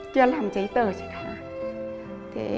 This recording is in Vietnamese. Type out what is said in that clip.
chưa làm giấy tờ gì cả